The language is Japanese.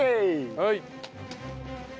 はい。